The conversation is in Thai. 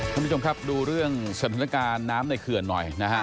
ท่านผู้ชมครับดูเรื่องสถานการณ์น้ำในเขื่อนหน่อยนะฮะ